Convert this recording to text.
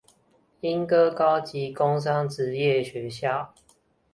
鶯歌高級工商職業學校